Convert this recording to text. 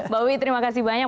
bawi terima kasih banyak